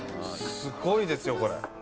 すごいですよこれ。